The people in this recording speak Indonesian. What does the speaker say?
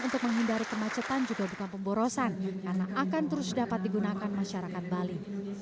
untuk menghindari kemacetan juga bukan pemborosan karena akan terus dapat digunakan masyarakat bali